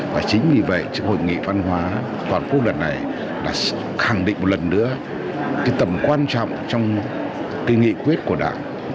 và chính vì vậy hội nghị văn hóa toàn quốc lần này đã khẳng định một lần nữa cái tầm quan trọng trong cái nghị quyết của đảng